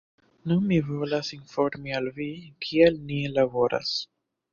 Nun mi volas informi al vi, kiel ni laboras